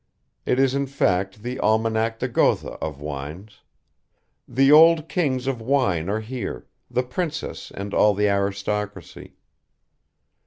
It is in fact the Almanach de Gotha of wines. The old kings of wine are here, the princess and all the aristocracy.